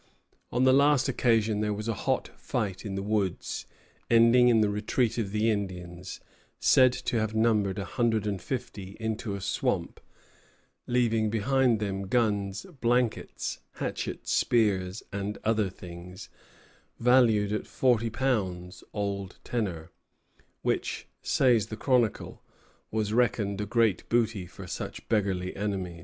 On the last occasion there was a hot fight in the woods, ending in the retreat of the Indians, said to have numbered a hundred and fifty, into a swamp, leaving behind them guns, blankets, hatchets, spears, and other things, valued at forty pounds, old tenor, which, says the chronicle, "was reckoned a great booty for such beggarly enemies."